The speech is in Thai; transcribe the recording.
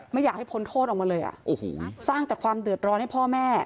ไม่อยากให้พ้นโทษออกมาเลยอ่ะโอ้โหสร้างแต่ความเดือดร้อนให้พ่อแม่